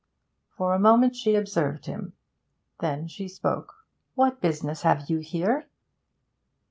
For a moment she observed him; then she spoke. 'What business have you here?'